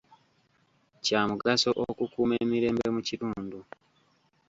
Kya mugaso okukuuma emirembe mu kitundu.